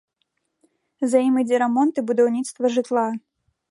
За ім ідзе рамонт і будаўніцтва жытла.